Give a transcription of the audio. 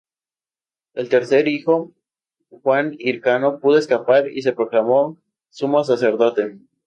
El tercer hijo, Juan Hircano, pudo escapar y se proclamó sumo sacerdote.